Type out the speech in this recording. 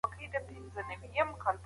که کتاب ولولې نو پوهه به دې زیاته سي.